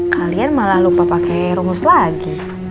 kalian malah lupa pakai rumus lagi